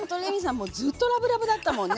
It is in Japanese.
もうずっとラブラブだったもんね